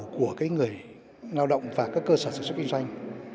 của người lao động và các cơ sở sản xuất kinh doanh